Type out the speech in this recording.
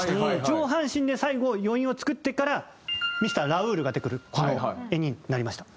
上半身で最後余韻を作ってからミスターラウールが出てくるこの画になりました。